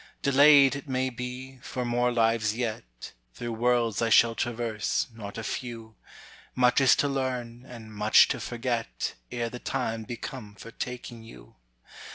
Delayed, it may be, for more lives yet, Through worlds I shall traverse, not a few; Much is to learn and much to forget Ere the time be come for taking you.